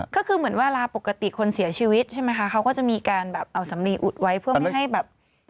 ก็คือเหมือนเวลาปกติคนเสียชีวิตใช่ไหมคะเขาก็จะมีการแบบเอาสำลีอุดไว้เพื่อไม่ให้แบบ